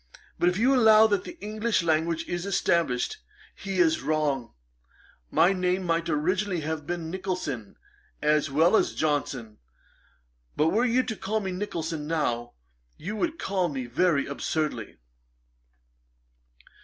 But if you allow that the English language is established, he is wrong. My name might originally have been Nicholson, as well as Johnson; but were you to call me Nicholson now, you would call me very absurdly.'